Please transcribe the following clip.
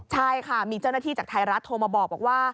ใช่ค่ะมีเจ้าหน้าที่จากไทยรัฐโทรมาบอกว่า